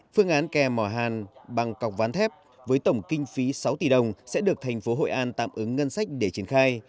phương án kè mỏ hàn bằng cọc ván thép với tổng kinh phí sáu tỷ đồng sẽ được thành phố hội an tạm ứng ngân sách để triển khai